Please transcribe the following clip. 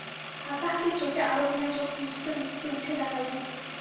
হাঁকাহাঁকির চোটে আরব মিঞা চোখ মুছতে মুছতে উঠে দাঁড়ালেন।